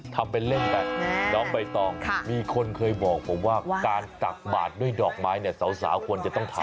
ทำเป็นเล่นไปน้องใบตองมีคนเคยบอกผมว่าการตักบาทด้วยดอกไม้เนี่ยสาวควรจะต้องทำ